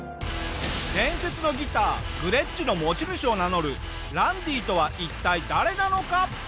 伝説のギターグレッチの持ち主を名乗るランディとは一体誰なのか？